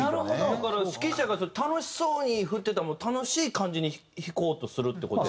だから指揮者が楽しそうに振ってたら楽しい感じに弾こうとするって事ですか？